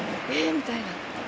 みたいな。